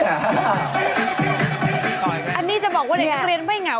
อันนี้จะบอกว่าเด็กนักเรียนไม่เหงา